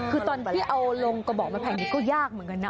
คือตอนที่เอาลงกระบอกไม้ไผ่นี้ก็ยากเหมือนกันนะ